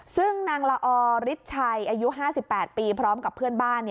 ซึ่งนางละออริชัยอายุ๕๘ปีพร้อมกับเพื่อนบ้าน